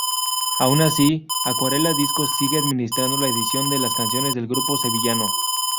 Aun así, Acuarela Discos sigue administrando la edición de las canciones del grupo sevillano.